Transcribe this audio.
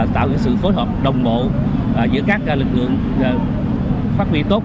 tạo sự phối hợp đồng bộ giữa các lực lượng phát huy tốt